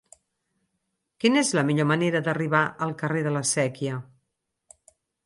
Quina és la millor manera d'arribar al carrer de la Sèquia?